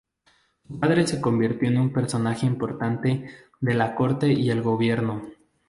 Su padre se convirtió en un personaje importante de la Corte y el Gobierno.